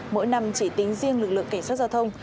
mỗi năm chỉ tính riêng lực lượng cảnh sát giao thông